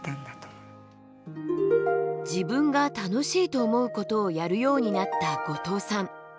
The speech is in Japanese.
自分が楽しいと思うことをやるようになった後藤さん。